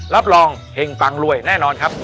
รับรองเห็งปังรวยแน่นอนครับ